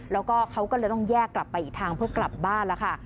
แล้วก็เขาก็เลยต้องแยกกลับไปอีกทางเพื่อกลับบ้านแล้วค่ะ